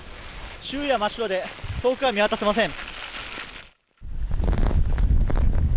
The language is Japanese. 周囲は真っ白で遠くは見渡せません。